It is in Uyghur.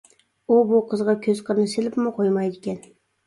ئۇ بۇ قىزغا كۆز قىرىنى سېلىپمۇ قويمايدىكەن.